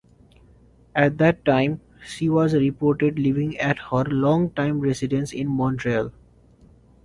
At that time she was reported living at her long-time residence in Montreal.